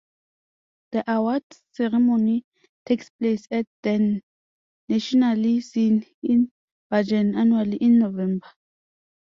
The award ceremony takes place at Den Nationale Scene in Bergen annually in November.